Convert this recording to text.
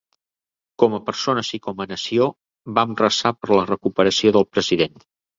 Com a persones i com a nació, vam resar per la recuperació del President.